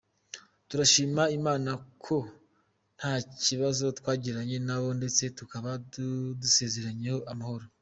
Turashima Imana ko ntakibazo twagiranye nabo ndetse tukaba dusezeranyeho amahoro.